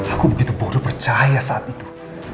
aku begitu bodoh percaya saat itu